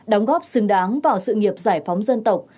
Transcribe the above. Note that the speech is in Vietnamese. đóng góp xứng đáng vào sự nghiệp giải phóng dân tộc